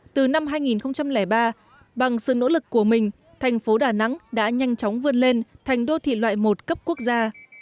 từ năm hai nghìn ba bằng sự nỗ lực của mình thành phố đà nẵng đã nhanh chóng vươn lên thành đô thị loại một cấp quốc gia